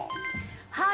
はい。